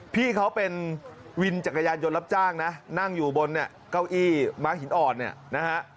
พี่เขาเป็นวินจักรยานยนต์รับจ้างนะนั่งอยู่บนเนี่ยเก้าอี้ม้าหินอ่อนเนี่ยนะฮะ